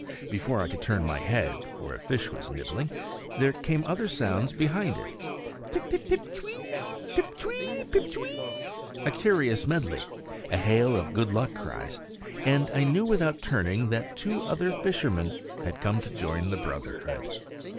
Before I could turn my head, for a fish was nibbling, there came other sounds behind it, Pip, pip, pip, ch'weee! pip, ch'wee! pip, ch'weeee! a curious medley, a hail of good luck cries; and I knew without turning that two other fishermen had come to join the brotherhood.